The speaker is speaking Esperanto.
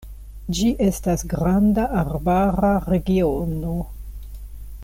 Ĝi estas granda arbara regiono.